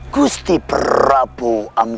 gusti prabu amkmar rukul